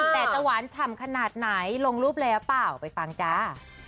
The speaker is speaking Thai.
แต่จะหวานฉ่ำขนาดไหนลงรูปแล้วเปล่าไปฟังจ้า